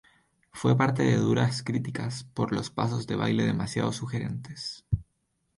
Fue parte de duras críticas por los pasos de baile demasiado sugerentes.